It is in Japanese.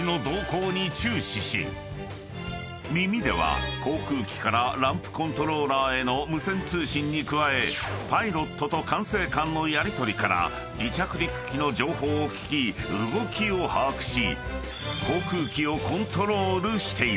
［耳では航空機からランプコントローラーへの無線通信に加えパイロットと管制官のやりとりから離着陸機の情報を聞き動きを把握し］